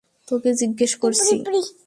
তোকে জিজ্ঞেস করছি।